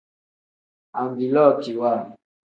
Anvilookiwa.